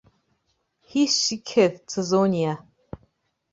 Һис шикһеҙ, Цезония!